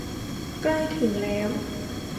ใกล้ถึงแล้ว